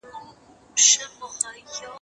ما چي ول دوی به بازار ته تللي وي